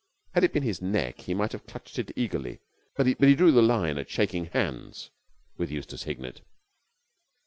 Had it been his neck he might have clutched it eagerly, but he drew the line at shaking hands with Eustace Hignett.